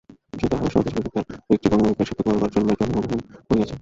সে তাহার স্বদেশবিধাতার একটি কোনো অভিপ্রায় সিদ্ধ করিবার জন্যই জন্মগ্রহণ করিয়াছে।